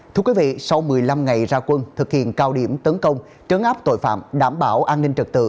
thưa quý vị sau một mươi năm ngày ra quân thực hiện cao điểm tấn công trấn áp tội phạm đảm bảo an ninh trật tự